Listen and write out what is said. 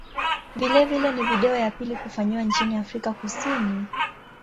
Vilevile ni video ya pili kufanyiwa nchini Afrika Kusini.